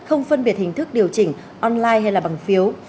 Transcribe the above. không phân biệt hình thức điều chỉnh online hay là bằng phiếu